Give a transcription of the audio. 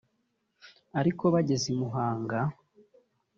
ariko bageze i Muhanga